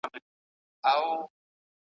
هیلۍ وویل کشپه یوه چار سته ,